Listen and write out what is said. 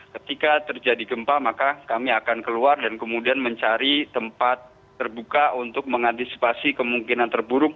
ketika terjadi gempa maka kami akan keluar dan kemudian mencari tempat terbuka untuk mengantisipasi kemungkinan terburuk